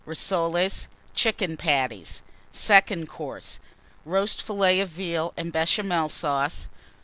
Rissoles. Chicken Patties. SECOND COURSE. Roast Fillet of Veal and Béchamel Sauce.